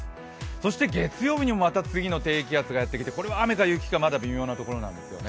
そして月曜日にもまた次の低気圧がやってきてこれは雨か雪か、まだ微妙なところなんですよね。